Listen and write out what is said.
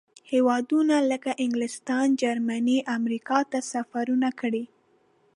هېوادونو لکه انګلستان، جرمني، امریکا ته سفرونه کړي.